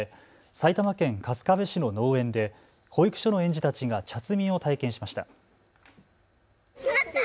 埼玉県春日部市の農園で保育所の園児たちが茶摘みを体験しました。